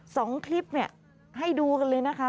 สองคลิปเนี่ยให้ดูกันเลยนะคะ